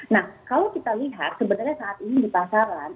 nah kalau kita lihat sebenarnya saat ini di pasaran